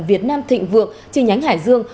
việt nam thịnh vượng trên nhánh hải dương